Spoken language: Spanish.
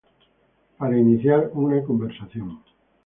para iniciar una conversación